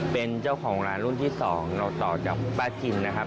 เป็นเจ้าของร้านรุ่นที่๒เราต่อจากป้าจินนะครับ